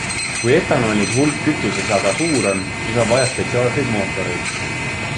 Kui etanooli hulk kütuses aga suur on, siis on vaja spetsiaalseid mootoreid.